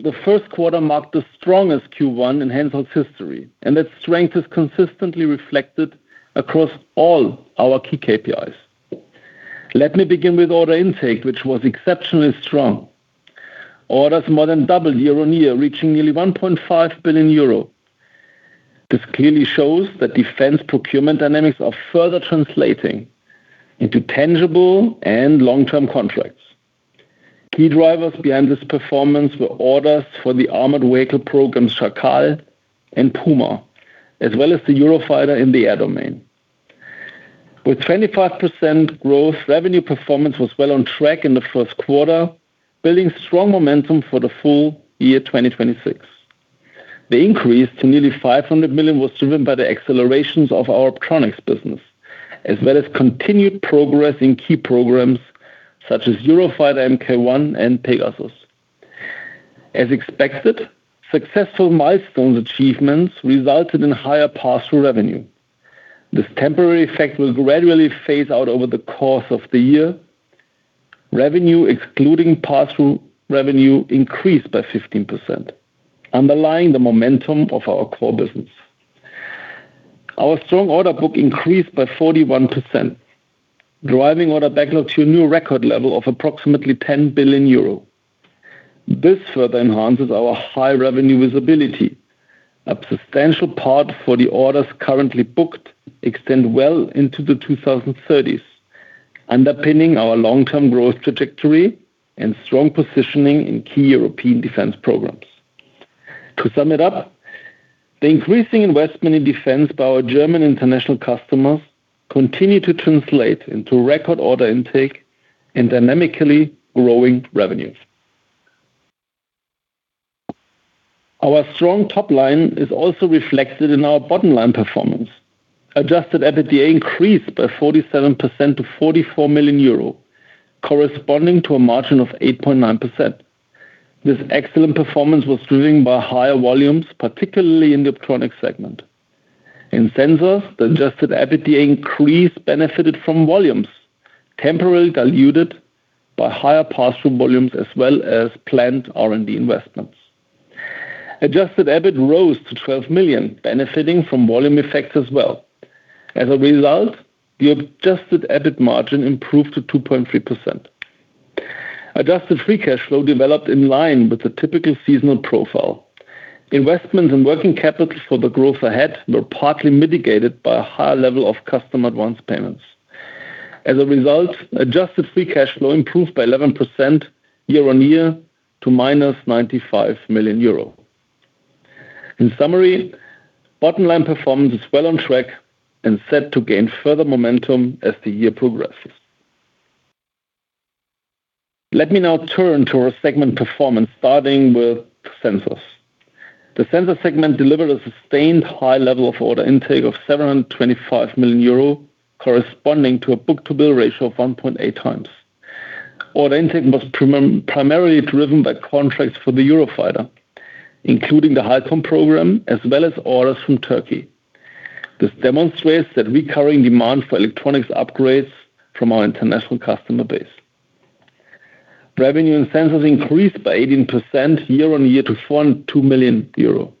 The first quarter marked the strongest Q1 in Hensoldt's history, and that strength is consistently reflected across all our key KPIs. Let me begin with order intake, which was exceptionally strong. Orders more than doubled year-on-year, reaching nearly 1.5 billion euro. This clearly shows that defense procurement dynamics are further translating into tangible and long-term contracts. Key drivers behind this performance were orders for the armored vehicle programs, Schakal and Puma, as well as the Eurofighter in the air domain. With 25% growth, revenue performance was well on track in the first quarter, building strong momentum for the full year 2026. The increase to nearly 500 million was driven by the accelerations of our Optronics business, as well as continued progress in key programs such as Eurofighter MK1 and PEGASUS. As expected, successful milestones achievements resulted in higher pass-through revenue. This temporary effect will gradually phase out over the course of the year. Revenue, excluding pass-through revenue, increased by 15%, underlying the momentum of our core business. Our strong order book increased by 41%, driving order backlog to a new record level of approximately 10 billion euro. This further enhances our high-revenue visibility. A substantial part for the orders currently booked extend well into the 2030s, underpinning our long-term growth trajectory and strong positioning in key European defense programs. To sum it up, the increasing investment in defense by our German international customers continue to translate into record order intake and dynamically growing revenues. Our strong top line is also reflected in our bottom-line performance. Adjusted EBITDA increased by 47% to 44 million euro, corresponding to a margin of 8.9%. This excellent performance was driven by higher volumes, particularly in the Optronics segment. In Sensors, the adjusted EBITDA increase benefited from volumes temporarily diluted by higher pass-through volumes as well as planned R&D investments. Adjusted EBIT rose to 12 million, benefiting from volume effects as well. As a result, the adjusted EBIT margin improved to 2.3%. Adjusted free cash flow developed in line with the typical seasonal profile. Investments and working capital for the growth ahead were partly mitigated by a higher level of customer advance payments. As a result, adjusted free cash flow improved by 11% year-on-year to minus 95 million euro. In summary, bottom-line performance is well on track and set to gain further momentum as the year progresses. Let me now turn to our segment performance, starting with Sensors. The Sensors segment delivered a sustained high level of order intake of 725 million euro, corresponding to a book-to-bill ratio of 1.8 times. Order intake was primarily driven by contracts for the Eurofighter, including the Halcon program, as well as orders from Turkey. This demonstrates that recurring demand for electronics upgrades from our international customer base. Revenue in Sensors increased by 18% year-on-year to 402 million euro.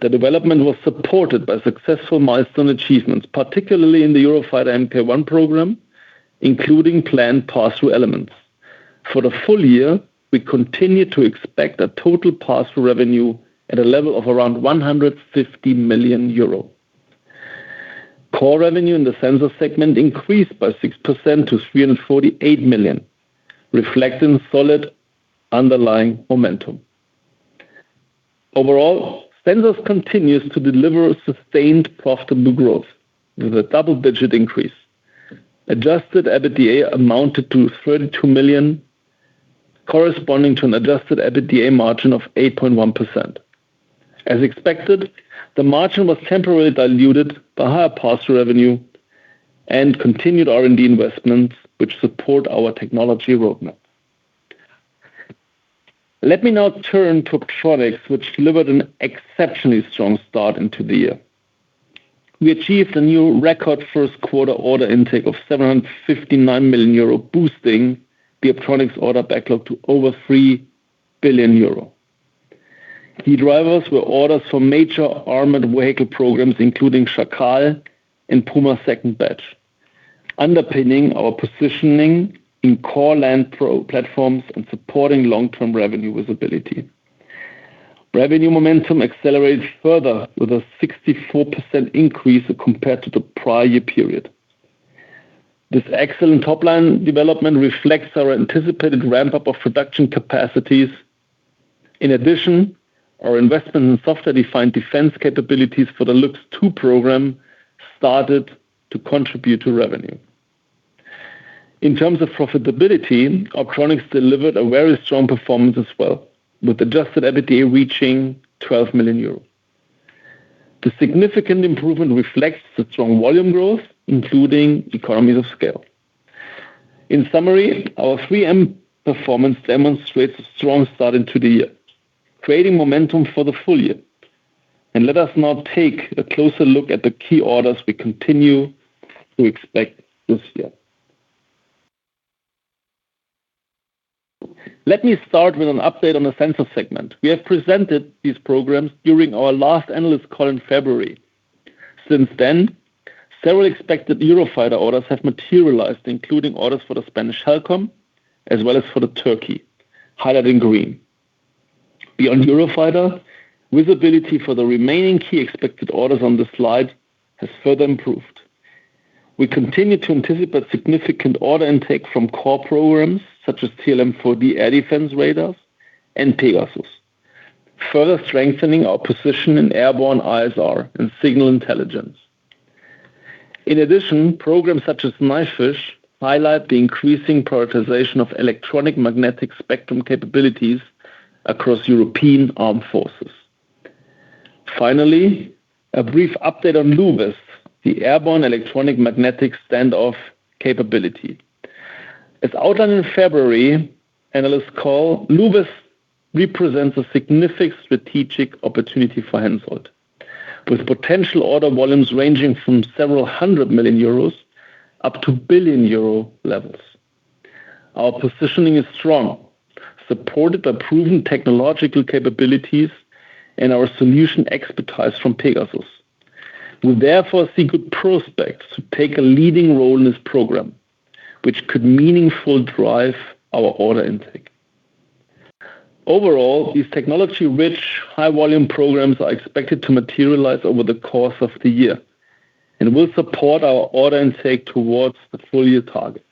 The development was supported by successful milestone achievements, particularly in the Eurofighter MK1 program, including planned pass-through elements. For the full year, we continue to expect a total pass-through revenue at a level of around 150 million euro. Core revenue in the Sensors segment increased by 6% to 348 million, reflecting solid underlying momentum. Overall, Sensors continues to deliver a sustained profitable growth with a double-digit increase. Adjusted EBITDA amounted to 32 million, corresponding to an adjusted EBITDA margin of 8.1%. As expected, the margin was temporarily diluted by higher pass-through revenue and continued R&D investments which support our technology roadmap. Let me now turn to Optronics, which delivered an exceptionally strong start into the year. We achieved a new record first quarter order intake of 759 million euro, boosting the Optronics order backlog to over 3 billion euro. Key drivers were orders from major armored vehicle programs, including Schakal and Puma second batch, underpinning our positioning in core land pro platforms and supporting long-term revenue visibility. Revenue momentum accelerates further with a 64% increase compared to the prior year period. This excellent top-line development reflects our anticipated ramp-up of production capacities. In addition, our investment in software-defined defense capabilities for the Luchs 2 program started to contribute to revenue. In terms of profitability, Optronics delivered a very strong performance as well, with adjusted EBITDA reaching 12 million euros. The significant improvement reflects the strong volume growth, including economies of scale. In summary, our 3M performance demonstrates a strong start into the year, creating momentum for the full year. Let us now take a closer look at the key orders we continue to expect this year. Let me start with an update on the Sensors segment. We have presented these programs during our last analyst call in February. Since then, several expected Eurofighter orders have materialized, including orders for the Spanish Halcon, as well as for the EF Turkey, highlighted in green. Beyond Eurofighter, visibility for the remaining key expected orders on the slide has further improved. We continue to anticipate significant order intake from core programs such as TRML-4D air defense radars and PEGASUS, further strengthening our position in airborne ISR and signal intelligence. In addition, programs such as Knifefish highlight the increasing prioritization of electromagnetic spectrum capabilities across European armed forces. Finally, a brief update on luWES, the airborne electromagnetic standoff capability. As outlined in February analysts call, luWES represents a significant strategic opportunity for Hensoldt, with potential order volumes ranging from several hundred million EUR up to billion EUR levels. Our positioning is strong, supported by proven technological capabilities and our solution expertise from PEGASUS. We therefore see good prospects to take a leading role in this program, which could meaningful drive our order intake. Overall, these technology-rich, high-volume programs are expected to materialize over the course of the year and will support our order intake towards the full-year target.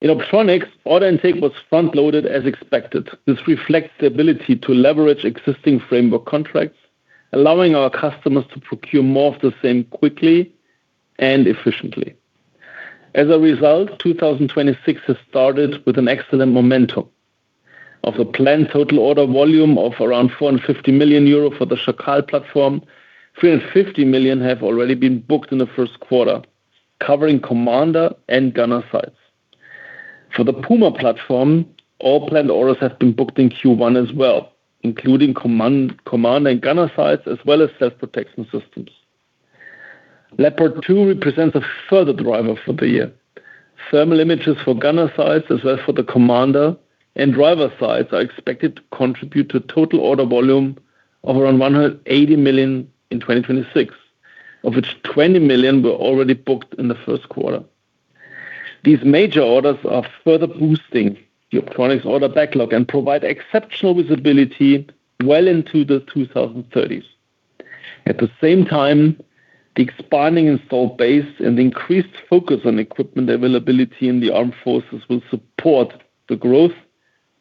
In Optronics, order intake was front-loaded as expected. This reflects the ability to leverage existing framework contracts, allowing our customers to procure more of the same quickly and efficiently. As a result, 2026 has started with an excellent momentum. Of the planned total order volume of around 450 million euro for the Schakal platform, 350 million have already been booked in Q1, covering commander and gunner sights. For the Puma platform, all planned orders have been booked in Q1 as well, including command and gunner sights, as well as self-protection systems. Leopard 2 represents a further driver for the year. Thermal imagers for gunner sights as well as for the commander and driver sights are expected to contribute to total order volume of around 180 million in 2026, of which 20 million were already booked in the Q1. These major orders are further boosting the Optronics order backlog and provide exceptional visibility well into the 2030s. At the same time, the expanding installed base and increased focus on equipment availability in the armed forces will support the growth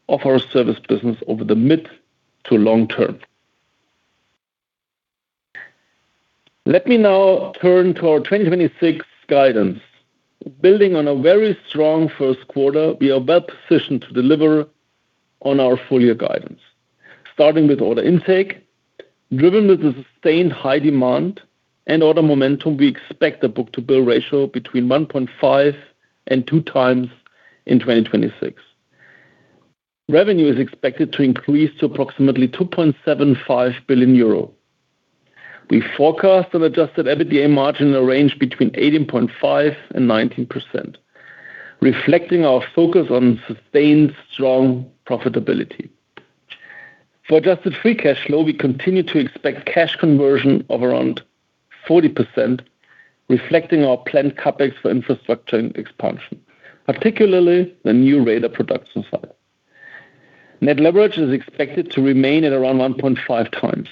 of our service business over the mid-to-long term. Let me now turn to our 2026 guidance. Building on a very strong Q1, we are well positioned to deliver on our full-year guidance. Starting with order intake. Driven with the sustained high demand and order momentum, we expect a book-to-bill ratio between 1.5 and 2x in 2026. Revenue is expected to increase to approximately 2.75 billion euro. We forecast an adjusted EBITDA margin in the range between 18.5% and 19%, reflecting our focus on sustained strong profitability. For adjusted free cash flow, we continue to expect cash conversion of around 40%, reflecting our planned CapEx for infrastructure and expansion, particularly the new radar production site. Net leverage is expected to remain at around 1.5 times,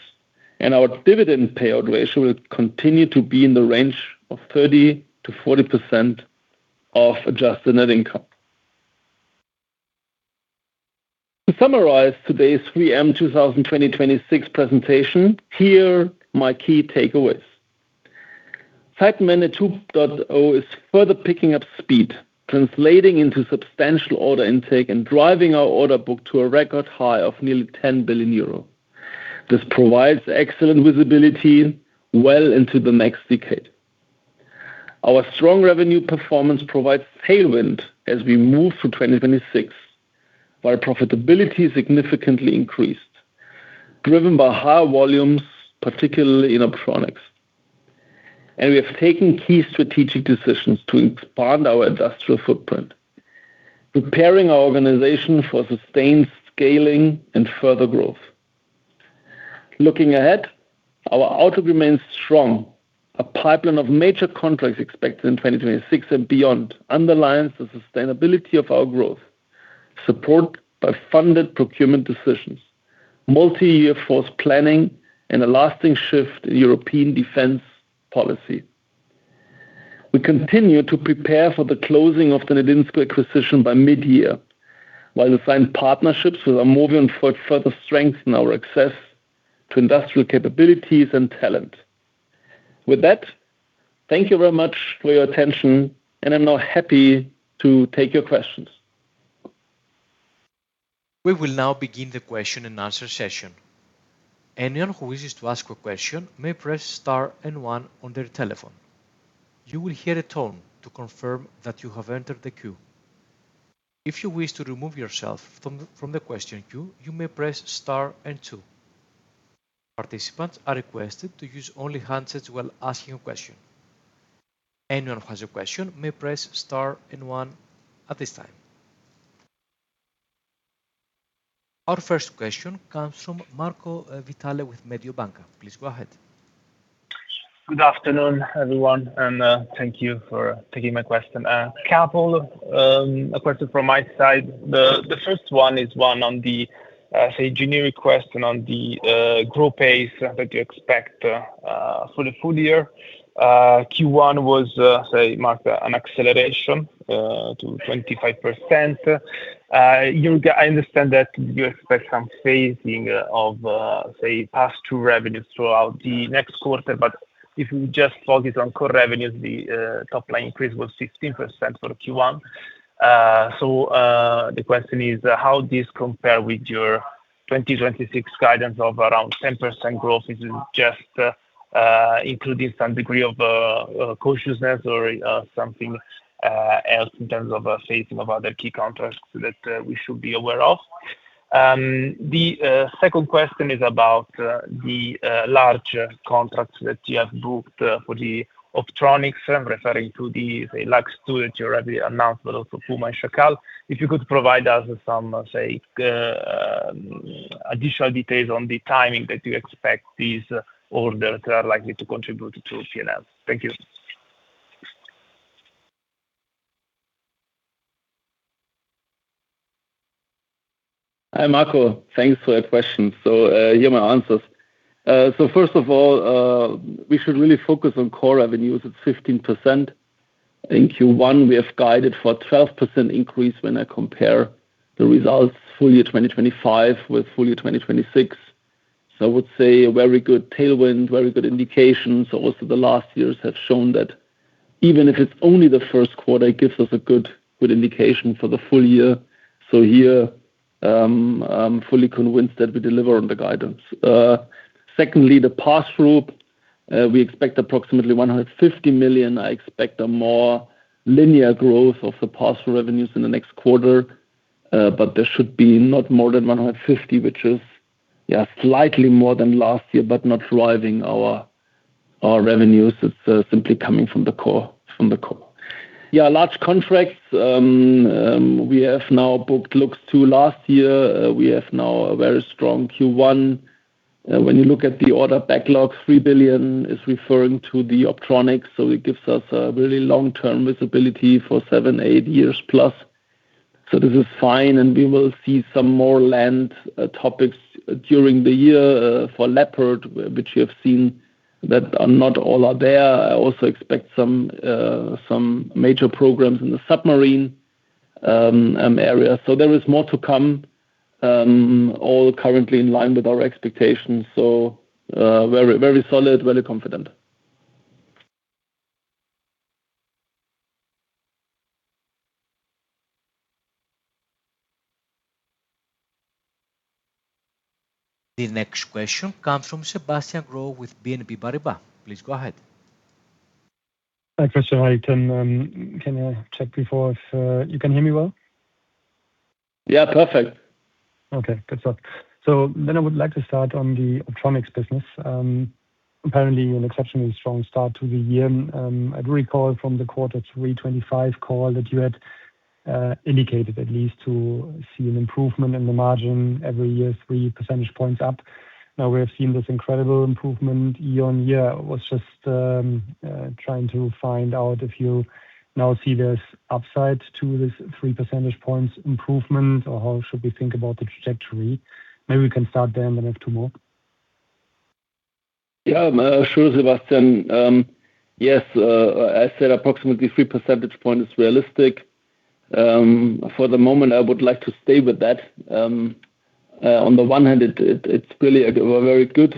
and our dividend payout ratio will continue to be in the range of 30%-40% of adjusted net income. To summarize today's 3M 2020-2026 presentation, here are my key takeaways. Zeitenwende 2.0 is further picking up speed, translating into substantial order intake and driving our order book to a record high of nearly 10 billion euro. This provides excellent visibility well into the next decade. Our strong revenue performance provides tailwind as we move through 2026, while profitability significantly increased, driven by higher volumes, particularly in Optronics. We have taken key strategic decisions to expand our industrial footprint, preparing our organization for sustained scaling and further growth. Looking ahead, our outlook remains strong. A pipeline of major contracts expected in 2026 and beyond underlines the sustainability of our growth, supported by funded procurement decisions, multi-year force planning, and a lasting shift in European defense policy. We continue to prepare for the closing of the Nedinsco acquisition by mid-year, while the signed partnerships with AUMOVIO further strengthen our access to industrial capabilities and talent. With that, thank you very much for your attention, and I'm now happy to take your questions. We will now begin the question-and-answer session. Anyone who wishes to ask a question may press star and one on their telephone. You will hear a tone to confirm that you have entered the queue. If you wish to remove yourself from the question queue, you may press star and two. Participants are requested to use only handsets while asking a question. Anyone who has a question may press star and one at this time. Our first question comes from Marco Vitale with Mediobanca. Please go ahead. Good afternoon, everyone, thank you for taking my question. A couple question from my side. The first one is one on the, say, generic question on the growth pace that you expect for the full year. Q1 was, say, marked an acceleration to 25%. I understand that you expect some phasing of, say, pass-through revenues throughout the next quarter, but if you just focus on core revenues, the top line increase was 16% for Q1. The question is how this compare with your 2026 guidance of around 10% growth. Is it just including some degree of cautiousness or something else in terms of phasing of other key contracts that we should be aware of? The second question is about the large contracts that you have booked for the Optronics. I'm referring to the Luchs 2 that you already announced, but also Puma and Schakal. If you could provide us with some additional details on the timing that you expect these orders are likely to contribute to the P&L. Thank you. Hi, Marco. Thanks for your question. Here are my answers. First of all, we should really focus on core revenues. It's 15%. In Q1, we have guided for a 12% increase when I compare the results full year 2025 with full year 2026. I would say a very good tailwind, very good indications. Also, the last years have shown that even if it's only the first quarter, it gives us a good indication for the full year. Here, I'm fully convinced that we deliver on the guidance. Secondly, the pass-through, we expect approximately 150 million. I expect a more linear growth of the pass-through revenues in the next quarter, but there should be not more than 150, which is, yeah, slightly more than last year, but not driving our revenues. It's simply coming from the core. Yeah, large contracts, we have now booked Luchs 2 last year. We have now a very strong Q1. When you look at the order backlog, 3 billion is referring to the Optronics, so it gives us a really long-term visibility for seven, eight years plus. So this is fine, and we will see some more land topics during the year for Leopard, which you have seen that are not all are there. I also expect some major programs in the submarine area. There is more to come, all currently in line with our expectations. Very solid, very confident. The next question comes from Sebastian Growe with BNP Paribas. Please go ahead. Thanks, Christian. Can I check before if you can hear me well? Yeah, perfect. Okay. Good start. I would like to start on the Optronics business. Apparently an exceptionally strong start to the year. I recall from the Q3 2025 call that you had indicated at least to see an improvement in the margin every year, 3 percentage points up. Now we have seen this incredible improvement year-on-year. I was just trying to find out if you now see there's upside to this 3 percentage points improvement, or how should we think about the trajectory? Maybe we can start there and then I have two more. Yeah. Sure, Sebastian. Yes, I said approximately 3 percentage points is realistic. For the moment, I would like to stay with that. On the one hand, it's really a very good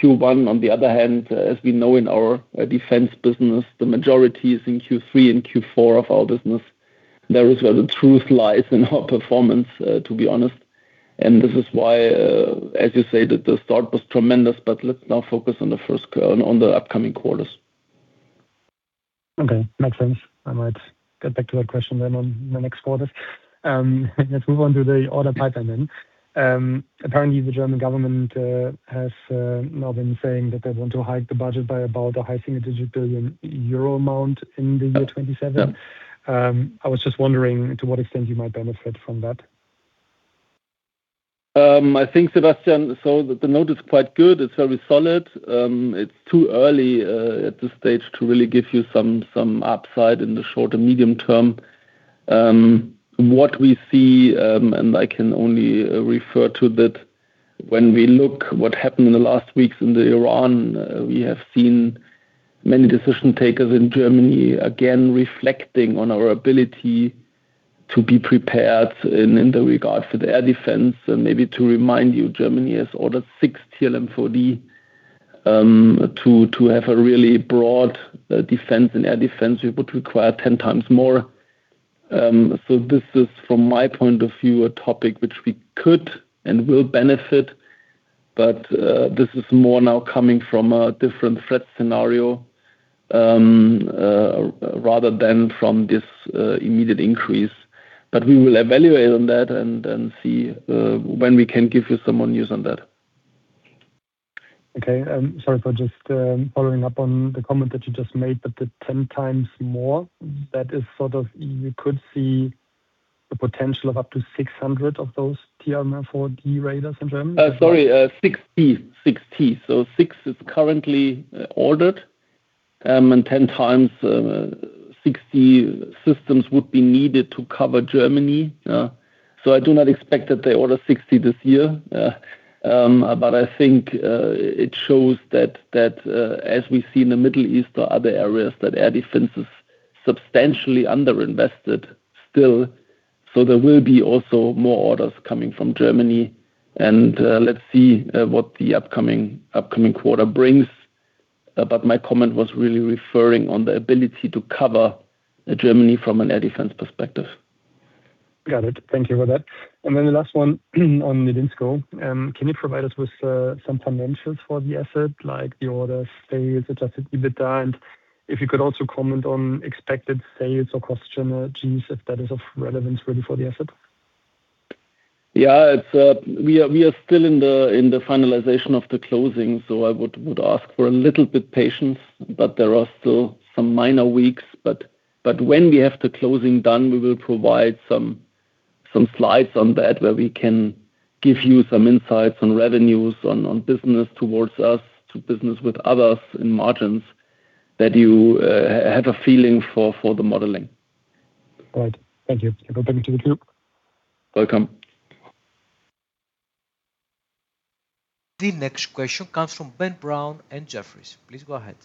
Q1. On the other hand, as we know in our defense business, the majority is in Q3 and Q4 of our business. That is where the truth lies in our performance, to be honest. This is why, as you say, that the start was tremendous, but let's now focus on the upcoming quarters. Okay. Makes sense. I might get back to that question then on the next quarters. Let's move on to the order pipeline then. Apparently the German government has now been saying that they want to hike the budget by about a high single-digit billion euro amount in the year 2027. Yeah. I was just wondering to what extent you might benefit from that. I think, Sebastian, the note is quite good. It's very solid. It's too early at this stage to really give you some upside in the short and medium term. What we see, and I can only refer to that when we look what happened in the last weeks in Iran, we have seen many decision-makers in Germany again reflecting on our ability to be prepared in the regard for the air defense. Maybe to remind you, Germany has ordered six TRML-4D to have a really broad defense and air defense. We would require 10x more. This is, from my point of view, a topic which we could and will benefit, but this is more now coming from a different threat scenario rather than from this immediate increase. We will evaluate on that and see, when we can give you some more news on that. Okay. Sorry for just following up on the comment that you just made, but the 10x more, that is sort of you could see the potential of up to 600 of those TRML-4D radars in Germany? Sorry, 60. Six is currently ordered, and 10x 60 systems would be needed to cover Germany. I do not expect that they order 60 this year. But I think it shows that, as we see in the Middle East or other areas, that air defense is substantially under-invested still. There will be also more orders coming from Germany and let's see what the upcoming quarter brings. But my comment was really referring on the ability to cover Germany from an air defense perspective. Got it. Thank you for that. Then the last one on Nedinsco. Can you provide us with some financials for the asset, like the orders, sales, adjusted EBITDA? If you could also comment on expected sales or cost synergies, if that is of relevance really for the asset. It's, we are still in the finalization of the closing, so I would ask for a little bit patience. There are still some minor weeks. When we have the closing done, we will provide some slides on that where we can give you some insights on revenues, on business towards us, to business with others in margins that you have a feeling for the modeling. All right. Thank you. I will go back into the queue. Welcome. The next question comes from Ben Brown in Jefferies. Please go ahead.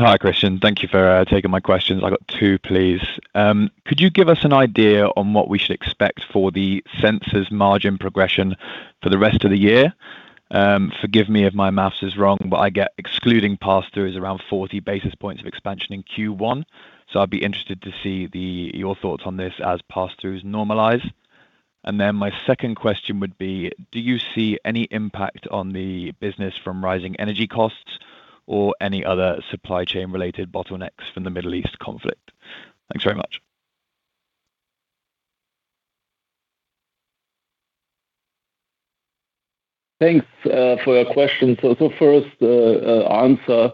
Hi, Christian. Thank you for taking my questions. I got two, please. Could you give us an idea on what we should expect for the Sensors margin progression for the rest of the year? Forgive me if my math is wrong, but I get excluding passthroughs around 40 basis points of expansion in Q1. I'd be interested to see your thoughts on this as passthroughs normalize. My second question would be, do you see any impact on the business from rising energy costs or any other supply chain related bottlenecks from the Middle East conflict? Thanks very much. Thanks for your question. First answer.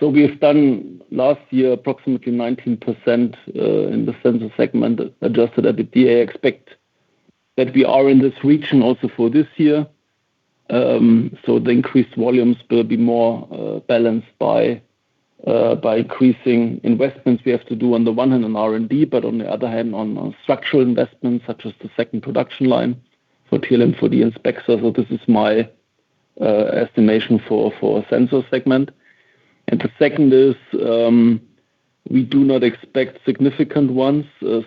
We've done last year approximately 19% in the Sensors segment adjusted EBITDA. Expect that we are in this region also for this year. The increased volumes will be more balanced by increasing investments we have to do on the one hand on R&D, but on the other hand, on structural investments such as the second production line for TRML-4D and Spexer. This is my estimation for Sensors segment. The second is, we do not expect significant ones.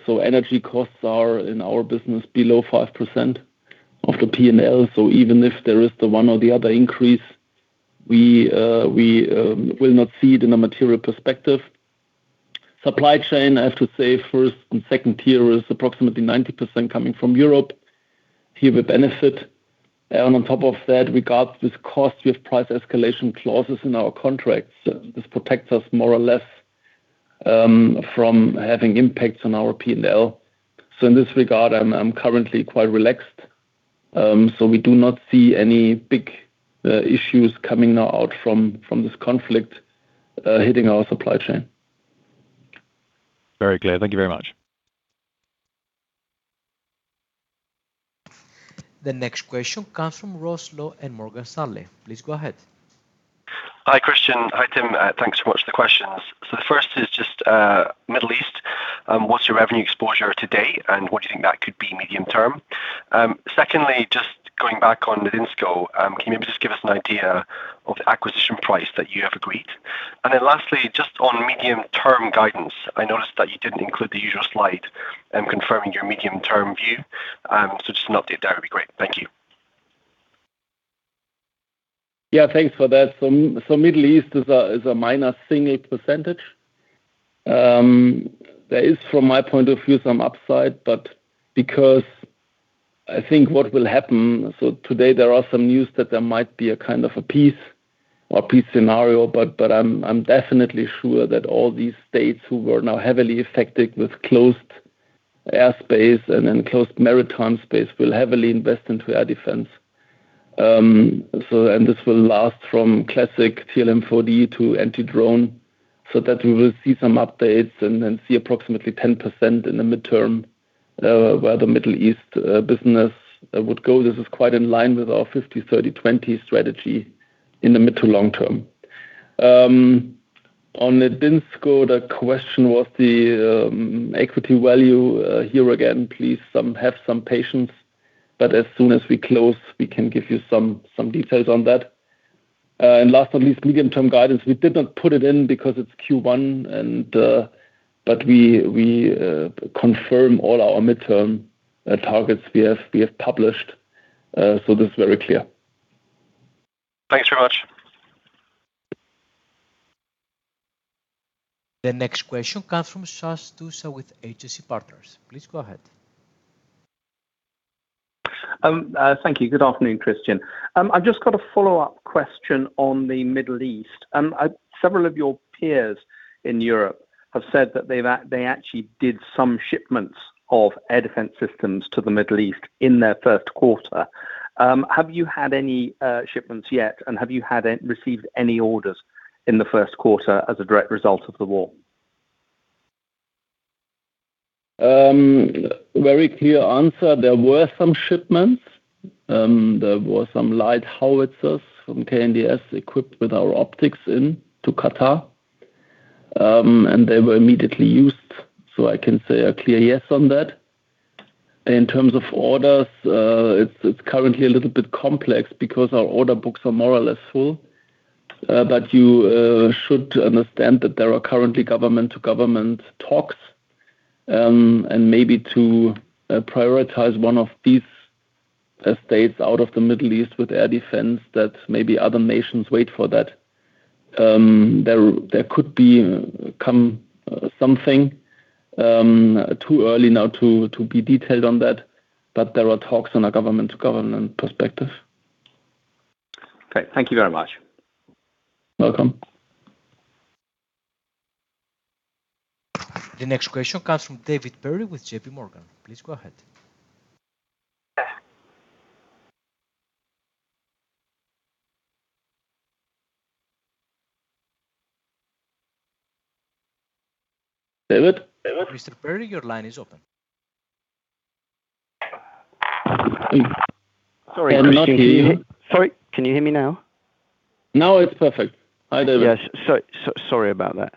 Energy costs are, in our business, below 5% of the P&L. Even if there is the one or the other increase, we will not see it in a material perspective. Supply chain, I have to say first and second tier is approximately 90% coming from Europe. Here the benefit, and on top of that, regards this cost, we have price escalation clauses in our contracts. This protects us more or less from having impacts on our P&L. In this regard, I'm currently quite relaxed. We do not see any big issues coming now out from this conflict hitting our supply chain. Very clear. Thank you very much. The next question comes from Ross Law in Morgan Stanley. Please go ahead. Hi, Christian. Hi, Tim. Thanks so much for the questions. The first is just Middle East. What's your revenue exposure today, and what do you think that could be medium term? Secondly, just going back on Nedinsco, can you maybe just give us an idea of the acquisition price that you have agreed? Lastly, just on medium-term guidance, I noticed that you didn't include the usual slide, confirming your medium-term view. Just an update there would be great. Thank you. Thanks for that. Middle East is a minor single-percentage. There is, from my point of view, some upside. Today there are some news that there might be a kind of a peace or peace scenario, but I'm definitely sure that all these states who were now heavily affected with closed airspace and then closed maritime space will heavily invest into air defense. This will last from classic TRML-4D to anti-drone, so that we will see some updates and then see approximately 10% in the midterm, where the Middle East business would go. This is quite in line with our 50/30/20 strategy in the mid to long term. On Nedinsco, the question was the equity value. Here again, please have some patience. As soon as we close, we can give you some details on that. Last but least, medium-term guidance. We did not put it in because it's Q1. We confirm all our midterm targets we have published. This is very clear. Thanks very much. The next question comes from Sash Tusa with Agency Partners. Please go ahead. thank you. Good afternoon, Christian. Several of your peers in Europe have said that they actually did some shipments of air defense systems to the Middle East in their first quarter. Have you had any shipments yet, and have you received any orders in the first quarter as a direct result of the war? Very clear answer. There were some shipments. There were some light howitzers from KNDS equipped with our optics into Qatar. They were immediately used, so I can say a clear yes on that. In terms of orders, it's currently a little bit complex because our order books are more or less full. You should understand that there are currently government-to-government talks, and maybe to prioritize one of these states out of the Middle East with air defense that maybe other nations wait for that. There could be something. Too early now to be detailed on that, there are talks on a government-to-government perspective. Okay, thank you very much. Welcome. The next question comes from David Perry with JPMorgan. Please go ahead. David? David? Mr. Perry, your line is open. Sorry, I cannot hear you. Sorry, can you hear me now? Now it's perfect. Hi, David. Yes. Sorry about that.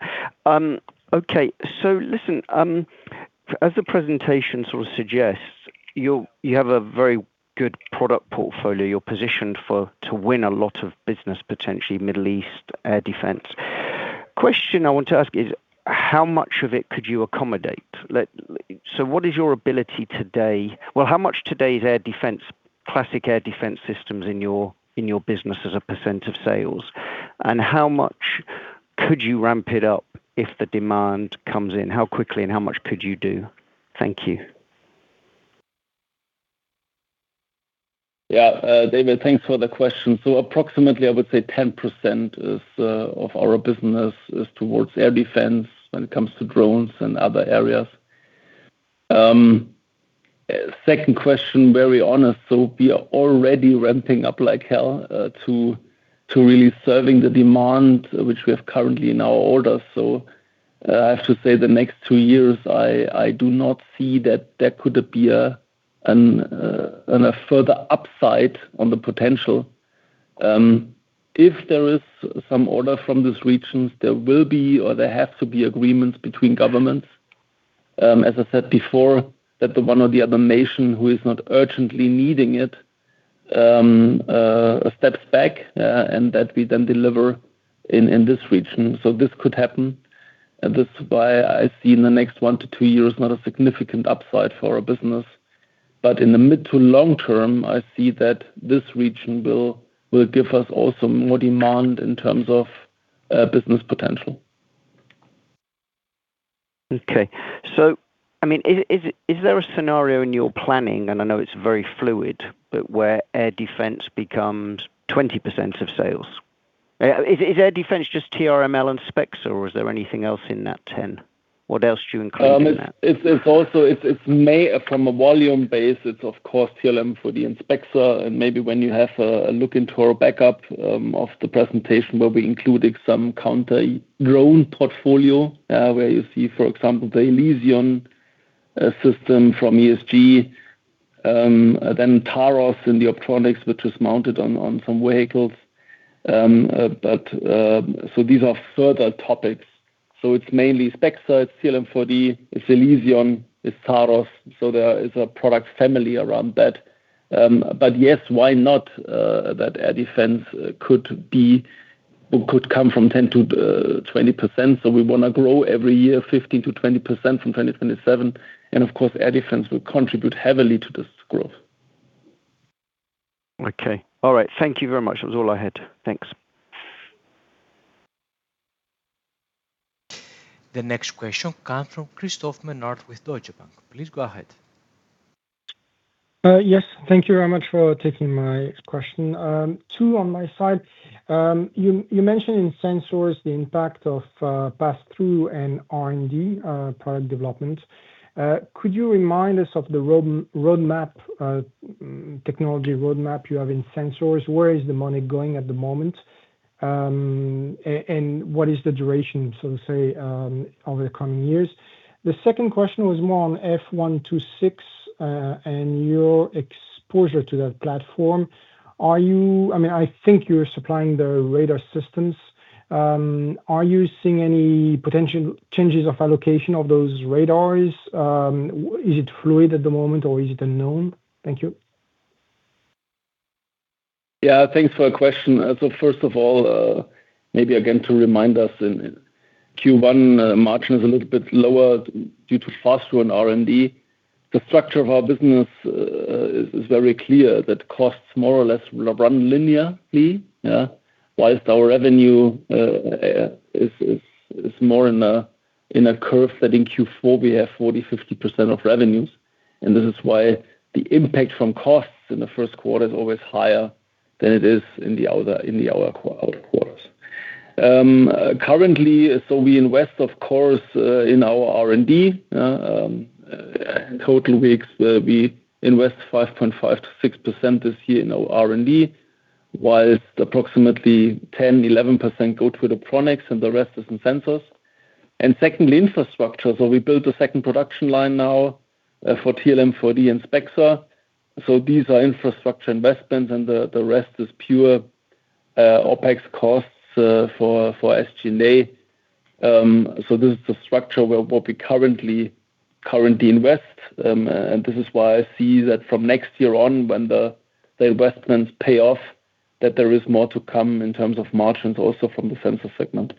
Okay. Listen, as the presentation sort of suggests, you have a very good product portfolio. You're positioned to win a lot of business, potentially Middle East air defense. Question I want to ask is, how much of it could you accommodate? What is your ability today? Well, how much today is air defense, classic air defense systems in your, in your business as a percent of sales? How much could you ramp it up if the demand comes in? How quickly and how much could you do? Thank you. Yeah. David, thanks for the question. Approximately, I would say 10% is of our business is towards air defense when it comes to drones and other areas. Second question, very honest. We are already ramping up like hell, to really serving the demand which we have currently in our orders. I have to say the next two years, I do not see that there could appear a further upside on the potential. If there is some order from these regions, there will be or there have to be agreements between governments. As I said before, that the one or the other nation who is not urgently needing it, steps back, and that we then deliver in this region. This could happen, and that's why I see in the next one to two years not a significant upside for our business. In the mid to long term, I see that this region will give us also more demand in terms of business potential. I mean, is there a scenario in your planning, and I know it's very fluid, but where air defense becomes 20% of sales? Is air defense just TRML and Spexer, or is there anything else in that 10%? What else do you include in that? It's also, from a volume base, it's of course TRML-4D and Spexer. Maybe when you have a look into our backup of the presentation where we included some counter-drone portfolio, where you see, for example, the Elysion system from ESG, then TAROSS in the Optronics, which was mounted on some vehicles. These are further topics. It's mainly Spexer, it's TRML-4D, it's ELYSION, it's TAROSS, so there is a product family around that. But yes, why not, that air defense could be or could come from 10%-20%? We wanna grow every year 15%-20% from 2027. Of course, air defense will contribute heavily to this growth. Okay. All right. Thank you very much. That was all I had. Thanks. The next question comes from Christophe Menard with Deutsche Bank. Please go ahead. Yes. Thank you very much for taking my question. Two on my side. You, you mentioned in Sensors the impact of pass-through and R&D, product development. Could you remind us of the roadmap, technology roadmap you have in Sensors? Where is the money going at the moment? And what is the duration, so to say, over the coming years? The second question was more on F126 and your exposure to that platform. I mean, I think you're supplying the radar systems. Are you seeing any potential changes of allocation of those radars? Is it fluid at the moment or is it unknown? Thank you. Thanks for the question. First of all, maybe again to remind us in Q1, margin is a little bit lower due to pass-through and R&D. The structure of our business is very clear that costs more or less will run linearly. While our revenue is more in a curve that in Q4 we have 40%-50% of revenues, this is why the impact from costs in the first quarter is always higher than it is in the other quarters. Currently, we invest, of course, in our R&D. Total weeks, we invest 5.5%-6% this year in our R&D, while approximately 10%-11% go to the products and the rest is in sensors. Secondly, infrastructure. We built a second production line now for TRML-4D. These are infrastructure investments, and the rest is pure OpEx costs for SG&A. This is the structure where what we currently invest. This is why I see that from next year on, when the investments pay off, that there is more to come in terms of margins also from the Sensors segment.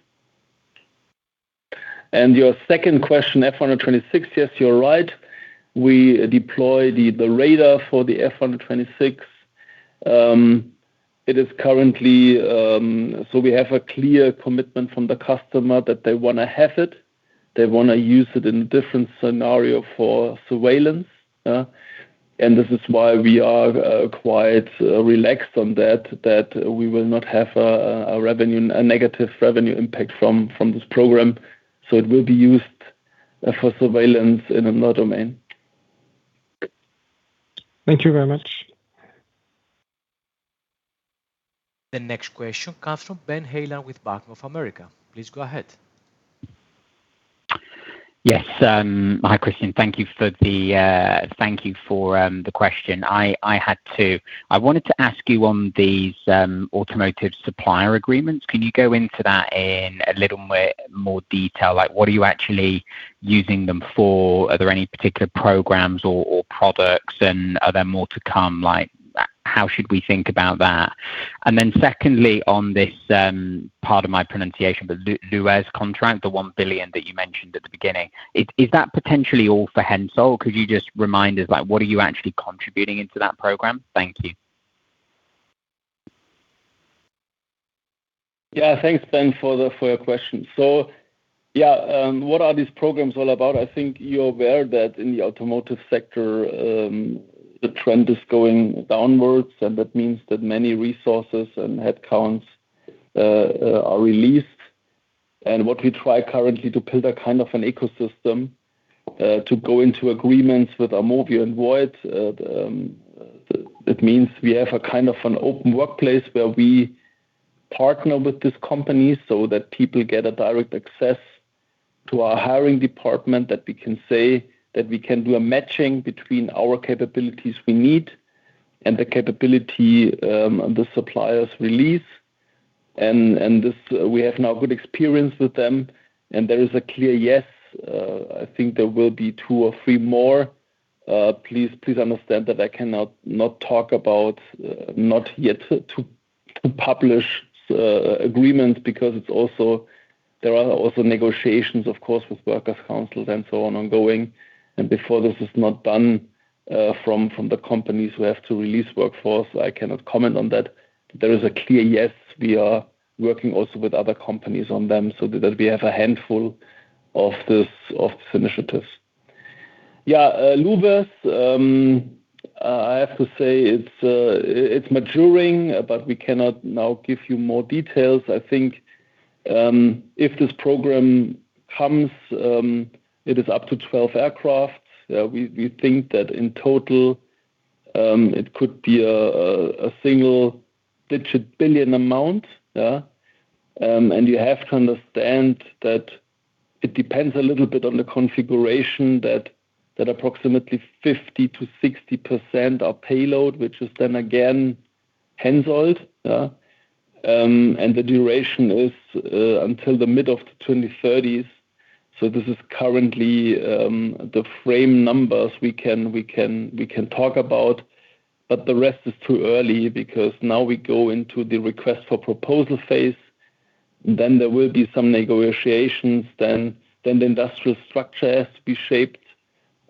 Your second question, F126, yes, you're right. We deploy the radar for the F126. We have a clear commitment from the customer that they wanna have it. They wanna use it in different scenario for surveillance, and this is why we are quite relaxed on that we will not have a negative revenue impact from this program. It will be used for surveillance in another domain. Thank you very much. The next question comes from Ben Heelan with Bank of America. Please go ahead. Yes, hi, Christian. Thank you for the, thank you for the question. I had two. I wanted to ask you on these automotive supplier agreements, can you go into that in a little more detail? Like, what are you actually using them for? Are there any particular programs or products, and are more to come? Like, how should we think about that? Secondly, on this, pardon my pronunciation, but luWES contract, the 1 billion that you mentioned at the beginning, is that potentially all for Hensoldt? Could you just remind us, like, what are you actually contributing into that program? Thank you. Thanks, Ben, for your question. What are these programs all about? I think you're aware that in the automotive sector, the trend is going downwards, and that means that many resources and headcounts are released. What we try currently to build a kind of an ecosystem to go into agreements with AUMOVIO and Voith. That means we have a kind of an open workplace where we partner with these companies so that people get a direct access to our hiring department, that we can say that we can do a matching between our capabilities we need and the capability the suppliers release. This, we have now good experience with them, and there is a clear yes. I think there will be two or three more. Please understand that I cannot not talk about not yet to publish agreement because there are also negotiations, of course, with workers councils and so on ongoing. Before this is not done from the companies who have to release workforce, I cannot comment on that. There is a clear yes. We are working also with other companies on them so that we have a handful of this, of these initiatives. luWES, I have to say it's maturing, but we cannot now give you more details. I think if this program comes, it is up to 12 aircraft. We think that in total, it could be a single-digit billion amount. You have to understand that it depends a little bit on the configuration that approximately 50%-60% are payload, which is then again Hensoldt, and the duration is until the mid-2030s. This is currently the frame numbers we can talk about, but the rest is too early because now we go into the request for proposal phase, then there will be some negotiations, then the industrial structure has to be shaped,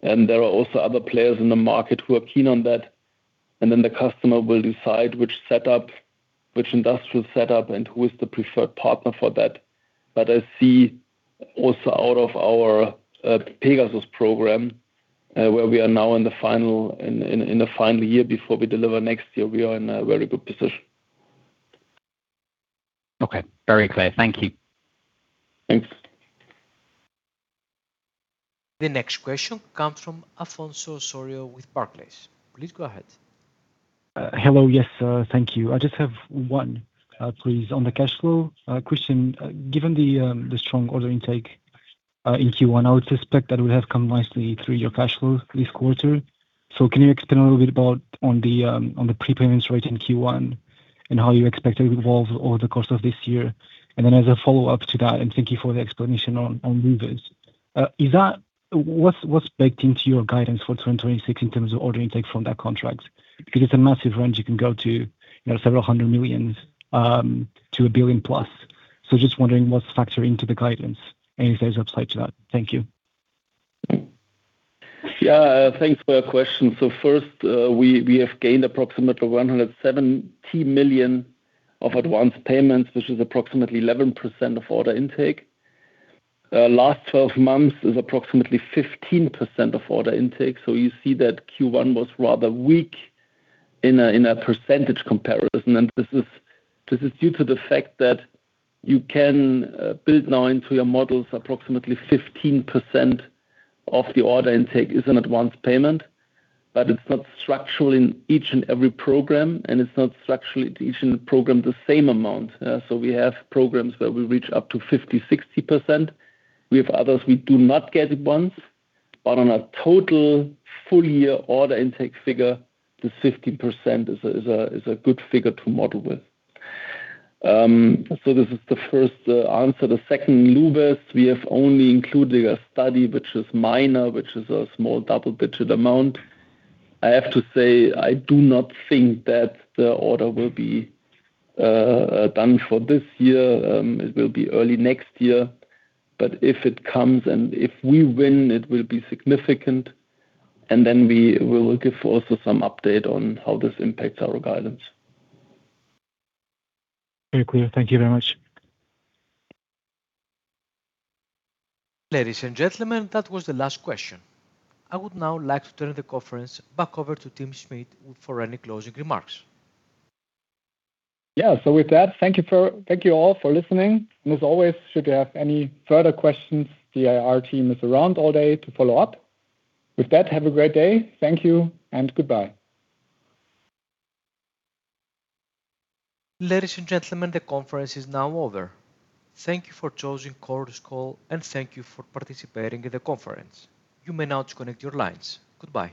and there are also other players in the market who are keen on that. Then the customer will decide which setup, which industrial setup and who is the preferred partner for that. I see also out of our PEGASUS program, where we are now in the final year before we deliver next year, we are in a very good position. Okay. Very clear. Thank you. Thanks. The next question comes from Afonso Osório with Barclays. Please go ahead. Hello. Yes, thank you. I just have one, please. On the cash flow, Christian, given the strong order intake in Q1, I would suspect that would have come nicely through your cash flow this quarter. Can you explain a little bit about on the prepayments rate in Q1 and how you expect it to evolve over the course of this year? As a follow-up to that, and thank you for the explanation on luWES, what's baked into your guidance for 2026 in terms of order intake from that contract? Because it's a massive range you can go to, you know, several hundred millions to a billion plus. Just wondering what's factored into the guidance and if there's upside to that. Thank you. Yeah. Thanks for your question. First, we have gained approximately 170 million of advanced payments, which is approximately 11% of order intake. Last 12 months is approximately 15% of order intake. You see that Q1 was rather weak in a percentage comparison. This is due to the fact that you can build now into your models approximately 15% of the order intake is an advanced payment, but it's not structural in each and every program, and it's not structural in each program the same amount. We have programs where we reach up to 50%, 60%. We have others, we do not get it once. On a total full year order intake figure, the 15% is a good figure to model with. This is the first answer. The second, luWES, we have only included a study which is minor, which is a small double-digit amount. I have to say, I do not think that the order will be done for this year. It will be early next year. If it comes and if we win, it will be significant, and then we will give also some update on how this impacts our guidance. Very clear. Thank you very much. Ladies and gentlemen, that was the last question. I would now like to turn the conference back over to Tim Schmid for any closing remarks. With that, thank you all for listening. As always, should you have any further questions, the IR team is around all day to follow up. With that, have a great day. Thank you and goodbye. Ladies and gentlemen, the conference is now over. Thank you for choosing Chorus Call, and thank you for participating in the conference. You may now disconnect your lines. Goodbye.